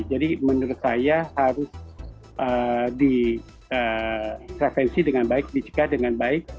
jadi menurut saya harus direvensi dengan baik dicegah dengan baik